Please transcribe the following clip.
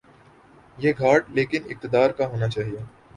یہ گھاٹ لیکن اقتدارکا ہو نا چاہیے۔